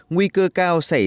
nguy cơ cao xảy ra